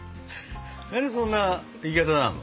何でそんな言い方なの。